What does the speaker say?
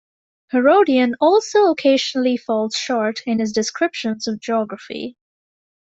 Herodian also occasionally falls short in his descriptions of geography.